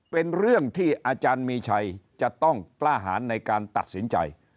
เป็นเรื่องที่อาจารย์มีชัยจะต้องกล้าหารในการตัดสินใจ